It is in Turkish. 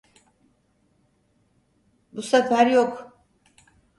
Bu sefer yok.